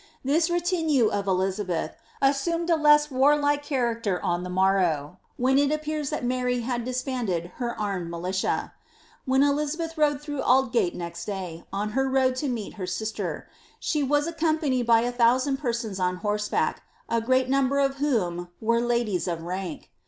This retinue of Elizabeth as sumed a less warlike character on the morrow, when it appears that Mary had disbanded her armed militia. Wfiea Elizabeth rode through Aldgate next day, on her road to nie^t her sister, she was accompanied by a thousand persons on horseback, a great number of whom were ladies of rank.